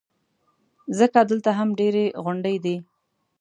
ځکه دلته هم ډېرې غونډۍ دي.